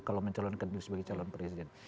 kalau mencalonkan diri sebagai calon presiden